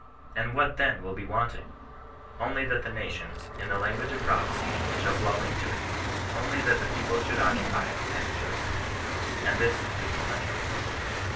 And what then will be wanting 1 Only that the nations, in the language of prophecy, shall flow into it ; only that the people should occupy it, and rejoice in it ; and this is millennial glory.